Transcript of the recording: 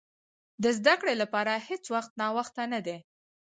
د زده کړې لپاره هېڅ وخت ناوخته نه دی.